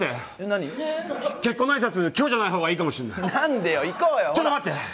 今日じゃないほうがいいかもしれない。